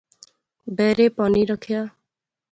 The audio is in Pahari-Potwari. بیرے پانی رکھیا